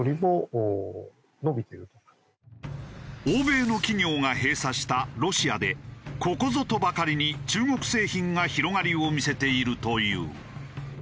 欧米の企業が閉鎖したロシアでここぞとばかりに中国製品が広がりを見せているという。